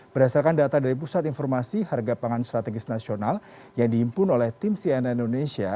berdasarkan data dari pusat informasi harga pangan strategis nasional yang diimpun oleh tim cnn indonesia